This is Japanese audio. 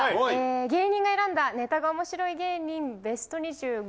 芸人が選んだネタが面白い芸人ベスト２５。